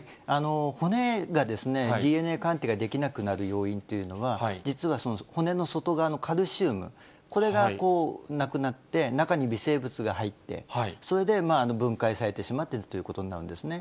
骨がＤＮＡ鑑定ができなくなる要因というのは、実は骨の外側のカルシウム、これがなくなって、中に微生物が入って、それで分解されてしまっているということになるんですね。